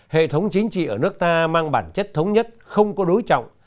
hệ thống chính trị ở nước ta mang bản chất thống nhất không có đối trọng